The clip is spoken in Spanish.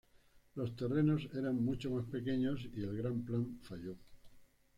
Los terrenos eran mucho más pequeños y el gran plan falló.